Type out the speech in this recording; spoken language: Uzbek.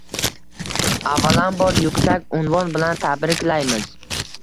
avvalambor, yuksak unvon bilan tabriklaymiz.